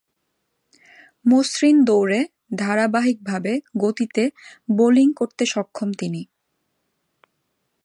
মসৃণ দৌঁড়ে ধারাবাহিকভাবে গতিতে বোলিং করতে সক্ষম তিনি।